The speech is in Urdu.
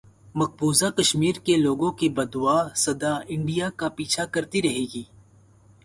مقبوضہ کشمیر کے لوگوں کی بددعا سدا انڈیا کا پیچھا کرتی رہے گی